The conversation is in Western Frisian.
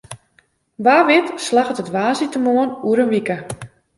Wa wit slagget it woansdeitemoarn oer in wike.